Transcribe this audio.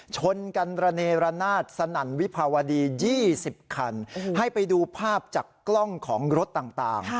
ชนกันระเนรนาศสนั่นวิภาวดี๒๐คันให้ไปดูภาพจากกล้องของรถต่าง